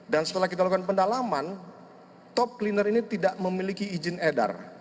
dan setelah kita lakukan pendalaman top cleaner ini tidak memiliki izin edar